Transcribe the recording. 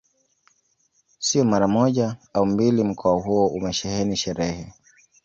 Sio mara moja au mbili mkoa huo umesheheni sherehe